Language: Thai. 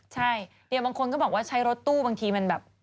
ใช่บางคนก็บอกว่าใช้รถตู้บางทีมันแบบ